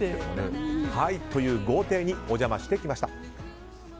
豪邸にお邪魔してきました。